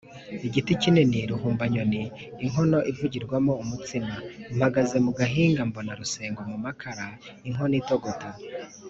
Igiti kinini ruhumbanyoni.-Inkono ivugirwamo umutsima. Mpagaze mu gahinga mbona Rusengo mu maraka.-Inkono itogota.